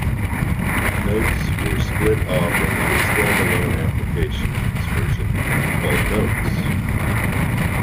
Notes were split off into a stand-alone application in this version, called Notes.